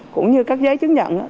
cũng như các giấy chứng minh